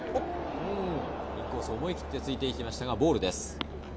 インコースを思い切って突いていきましたがボールです。